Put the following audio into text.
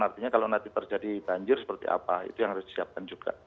artinya kalau nanti terjadi banjir seperti apa itu yang harus disiapkan juga